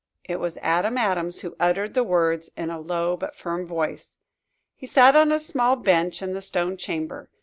It was Adam Adams who uttered the words in a low but firm voice. He sat on a small bench, in the stone chamber.